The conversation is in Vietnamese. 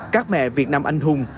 các mẹ việt nam anh hùng